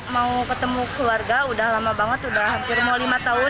mau ketemu keluarga udah lama banget udah hampir mau lima tahun